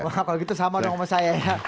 wah kalau gitu sama dong sama saya ya